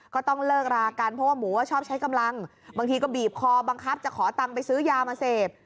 ก็ต้องเลิกรากันเพราะว่าหมูชอบใช้กำลังบางทีก็บีบคอบังคับจะขอตังค์ไปซื้อยามาเสพ